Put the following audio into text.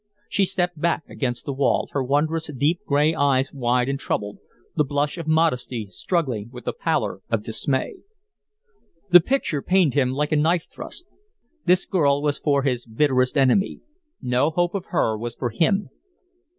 She stepped back against the wall, her wondrous, deep, gray eyes wide and troubled, the blush of modesty struggling with the pallor of dismay. The picture pained him like a knife thrust. This girl was for his bitterest enemy no hope of her was for him.